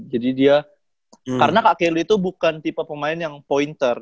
jadi dia karena kak kelly tuh bukan tipe pemain yang pointer